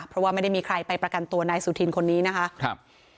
เพราะว่าไม่ได้มีใครไปประกันตัวนายสุธินคนนี้นะคะครับ